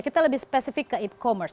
kita lebih spesifik ke e commerce